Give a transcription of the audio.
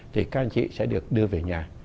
thì các anh chị sẽ được đưa về nhà